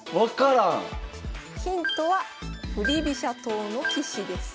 ヒントは振り飛車党の棋士です。